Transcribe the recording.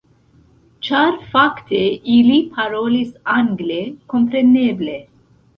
Ĉar fakte ili parolis angle, kompreneble.